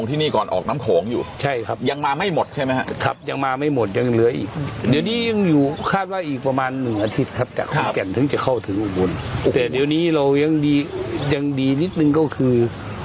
แต่เดี๋ยวนี้เรายังดียังดีนิดนึงก็คือ